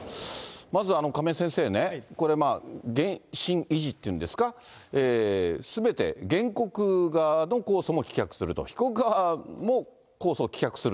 まず亀井先生、これ、原審維持っていうんですか、すべて原告側の控訴も棄却すると、被告側も控訴、棄却する。